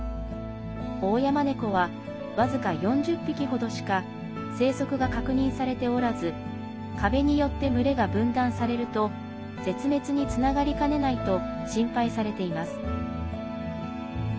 オオヤマネコは僅か４０匹ほどしか生息が確認されておらず壁によって群れが分断されると絶滅につながりかねないと心配されています。